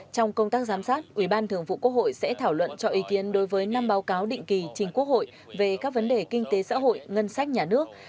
trong công tác giám sát ủy ban thường vụ quốc hội sẽ thảo luận cho ý kiến đối với năm báo cáo định kỳ chính quốc hội về các vấn đề kinh tế xã hội ngân sách nhà nước